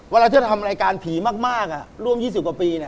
เวลาที่เราทำรายการผีมากร่วม๒๐กว่าปี